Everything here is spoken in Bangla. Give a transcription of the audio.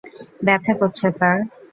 ব্যাথা করছে, স্যার।